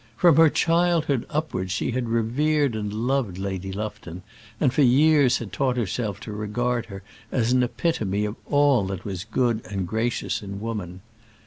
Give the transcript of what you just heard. From her childhood upwards she had revered and loved Lady Lufton, and for years had taught herself to regard her as an epitome of all that was good and gracious in woman.